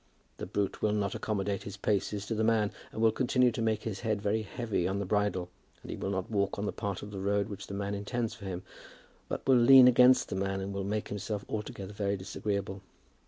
The brute will not accommodate his paces to the man, and will contrive to make his head very heavy on the bridle. And he will not walk on the part of the road which the man intends for him, but will lean against the man, and will make himself altogether very disagreeable.